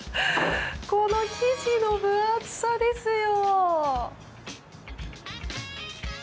この生地の分厚さですよ！